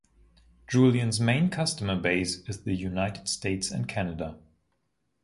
Julien's main customer base is in the United States and Canada.